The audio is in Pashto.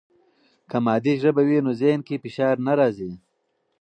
که مادي ژبه وي، نو ذهن کې فشار نه راځي.